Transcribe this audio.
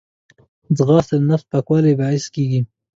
ځغاسته د نفس پاکوالي باعث کېږي